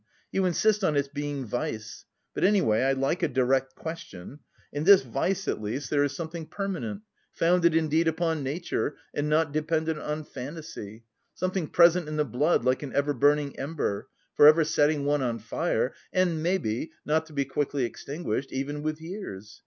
You insist on its being vice. But anyway I like a direct question. In this vice at least there is something permanent, founded indeed upon nature and not dependent on fantasy, something present in the blood like an ever burning ember, for ever setting one on fire and, maybe, not to be quickly extinguished, even with years.